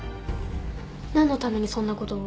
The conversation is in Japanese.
何のためにそんなことを？